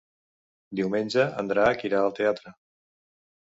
Diumenge en Drac irà al teatre.